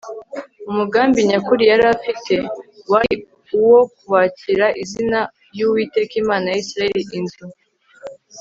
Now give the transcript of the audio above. umugambi nyakuri yari afite wari uwo kubakira izina y'uwiteka imana ya isirayeli inzu